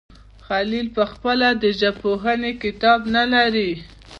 خلیل پخپله د ژبپوهنې کتاب نه لري.